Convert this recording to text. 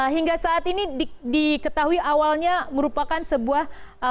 hingga saat ini diketahui awalnya merupakan sebuah